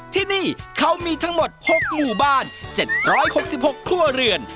ที่นี่เขามีทั้งหมด๖หมู่บ้าน๗๖๖ครัวเรือน